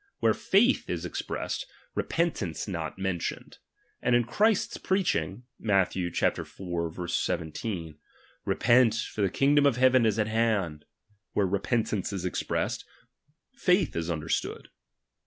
■ where Jitith is expressed, repentance not mentioned ; and in Christ's preaching (Matth. iv. 1 7) : Repent, for the kingdom of heaven is at hand: where repentance is expressed, ya/^A is un derstood.